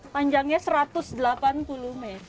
panjangnya satu ratus delapan puluh mei